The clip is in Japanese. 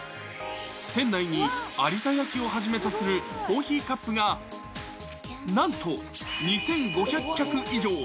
店内に有田焼をはじめとするコーヒーカップが、なんと２５００客以上。